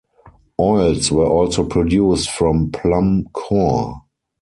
Oils were also produced from plum core.